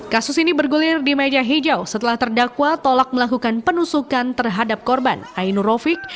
kasus ini bergulir di meja hijau setelah terdakwa tolak melakukan penusukan terhadap korban ainur rofiq